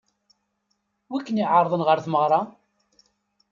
Wi ken-iɛeṛḍen ɣer tmeɣṛa?